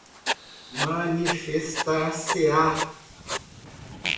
manifestar-se-á